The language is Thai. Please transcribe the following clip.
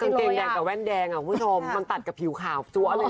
กางเกงแดงกับแว่นแดงมันตัดกับผิวขาวตัวเลยเนอะ